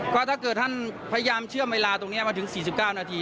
ก็ถ้าเกิดท่านพยายามเชื่อมเวลาตรงเนี่ยมาถึงสี่สิบก้าวนาที